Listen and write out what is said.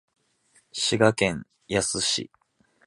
滋賀県野洲市